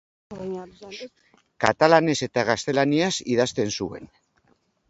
Katalanez eta gaztelaniaz idazten zuen.